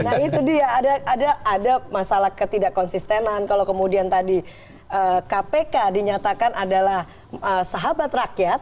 nah itu dia ada masalah ketidak konsistenan kalau kemudian tadi kpk dinyatakan adalah sahabat rakyat